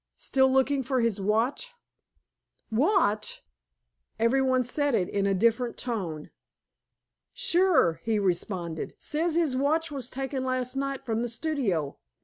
Still looking for his watch?" "Watch!" Everybody said it in a different tone. "Sure," he responded. "Says his watch was taken last night from the studio.